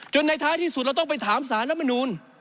ในท้ายที่สุดเราต้องไปถามสารรัฐมนูล